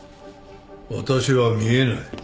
私は見えない。